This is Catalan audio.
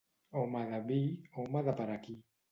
Home de vi, home de per aquí.